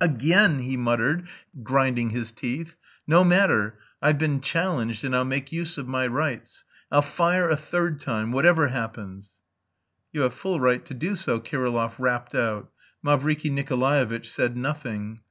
"Again!" he muttered, grinding his teeth. "No matter! I've been challenged and I'll make use of my rights. I'll fire a third time... whatever happens." "You have full right to do so," Kirillov rapped out. Mavriky Nikolaevitch said nothing.